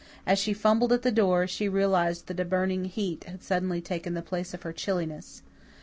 As she fumbled at her door, she realized that a burning heat had suddenly taken the place of her chilliness.